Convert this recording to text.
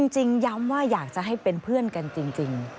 จริงย้ำว่าอยากจะให้เป็นเพื่อนกันจริง